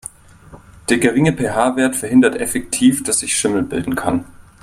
Der geringe PH-Wert verhindert effektiv, dass sich Schimmel bilden kann.